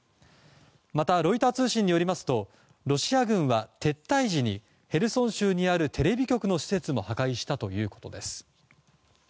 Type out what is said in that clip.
また、ロイター通信によりますとロシア軍は撤退時にヘルソン州にあるテレビ局の施設も破壊したということです。